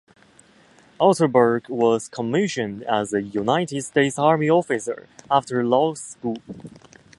Altenburg was commissioned as a United States Army officer after law school.